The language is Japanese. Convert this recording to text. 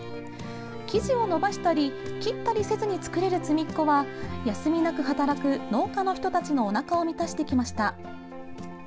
生地を延ばしたり切ったりせずに作れる「つみっこ」は休みなく働く農家の人たちのおなかを満たしてきました。